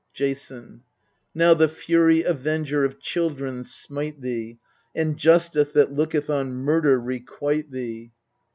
Jason. Now the Fury avenger of children smite thee, And Justice that looketh on murder requite thee!